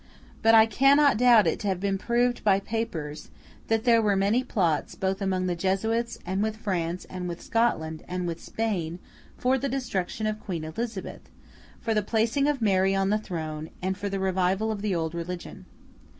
But I cannot doubt it to have been proved by papers, that there were many plots, both among the Jesuits, and with France, and with Scotland, and with Spain, for the destruction of Queen Elizabeth, for the placing of Mary on the throne, and for the revival of the old religion.